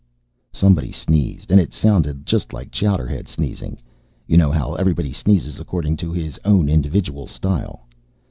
Somebody sneezed, and it sounded just like Chowderhead sneezing. You know how everybody sneezes according to his own individual style?